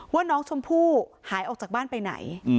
ว่าน้องชมพู่หายออกจากบ้านไปไหน